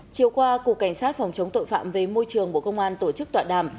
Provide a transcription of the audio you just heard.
chiều qua cục cảnh sát phòng chống tội phạm về môi trường bộ công an tổ chức tọa đàm